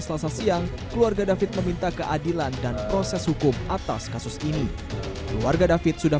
selasa siang keluarga david meminta keadilan dan proses hukum atas kasus ini keluarga david sudah